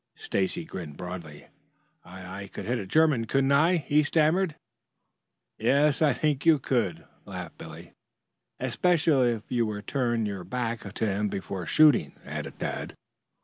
Stacy grinned broadly. "I I could hit a German, couldn't I?" he stammered. "Yes, I think you could," laughed Billy. "Especially if you were to turn your back to him before shooting," added Tad.